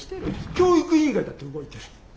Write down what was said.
教育委員会だって動いてる。